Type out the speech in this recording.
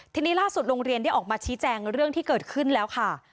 ทีนี้ล่าสุดโรงเรียนได้ออกมาชี้แจงเรื่องที่เกิดขึ้นแล้วค่ะ